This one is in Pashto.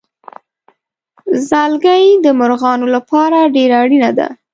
ځالګۍ د مرغانو لپاره ډېره اړینه ده.